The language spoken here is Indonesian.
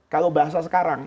kalau bahasa sekarang